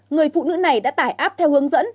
người phụ nữ này đã tải app theo hướng dẫn